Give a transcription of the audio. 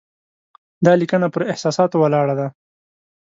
دا لیکنه پر احساساتو ولاړه ده.